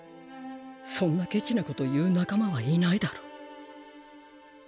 そんなケチなこと言う仲間はいないだろう。